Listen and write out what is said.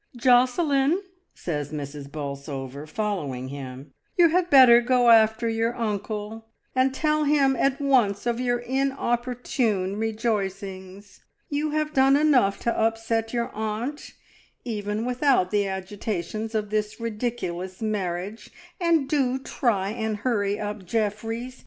"Josselin!" says Mrs. Bolsover, following him, "you had better go after your unde, and tell him at once of your inopportune rejoicings. You have done enough to upset your aunt, even without the agitations of this ridiculous marriage, and do try and hurry up Jeffries.